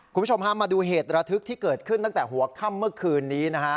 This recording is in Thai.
คุณผู้ชมพามาดูเหตุระทึกที่เกิดขึ้นตั้งแต่หัวค่ำเมื่อคืนนี้นะฮะ